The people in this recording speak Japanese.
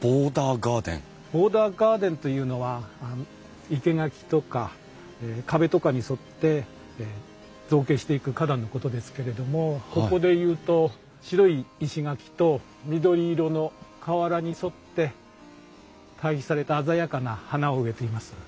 ボーダーガーデンというのは生け垣とか壁とかに沿って造形していく花壇のことですけれどもここでいうと白い石垣と緑色の瓦に沿って対比された鮮やかな花を植えています。